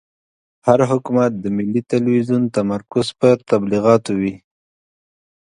هر حکومت د ملي تلویزون تمرکز پر تبلیغاتو وي.